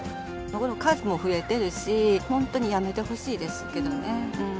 数も増えてるし、本当にやめてほしいですけどね。